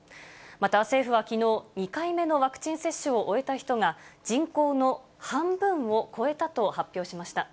また、政府はきのう、２回目のワクチン接種を終えた人が人口の半分を超えたと発表しました。